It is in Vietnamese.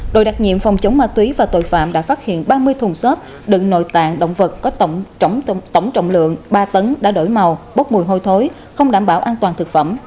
đội đặc nhiệm phòng chống ma túy và tội phạm đã phát hiện ba mươi thùng xốp đựng nội tạng động vật có tổng trọng lượng ba tấn đã đổi màu bốc mùi hôi thối không đảm bảo an toàn thực phẩm